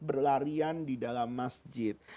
berlarian di dalam masjid